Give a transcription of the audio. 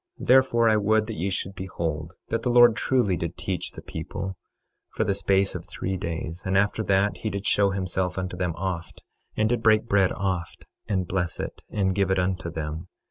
26:13 Therefore, I would that ye should behold that the Lord truly did teach the people, for the space of three days; and after that he did show himself unto them oft, and did break bread oft, and bless it, and give it unto them.